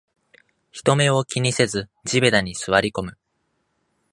人目を気にせず地べたに座りこむ